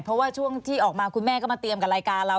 เพราะว่าช่วงที่ออกมาคุณแม่ก็มาเตรียมกับรายการเรา